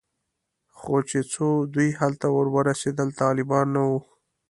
خو چې څو دوی هلته ور ورسېدل طالب نه و.